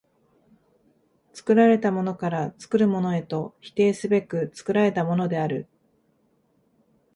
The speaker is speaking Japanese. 作られたものから作るものへと否定すべく作られたものである。